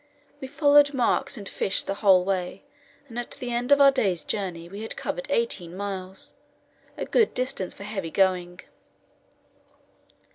We followed marks and fish the whole way, and at the end of our day's journey we had covered eighteen miles a good distance for heavy going.